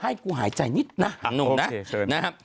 ให้กูหายใจนิดนะนุ่มนะ